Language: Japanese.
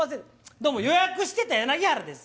どうも予約してた柳原です。